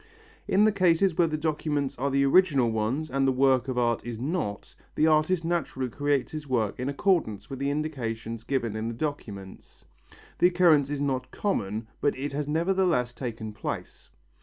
In the cases when the documents are the original ones and the work of art is not, the artist naturally creates his work in accordance with the indications given in the documents. The occurrence is not common, but it has nevertheless taken place.